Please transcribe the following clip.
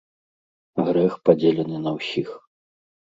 Грэх падзелены на ўсіх.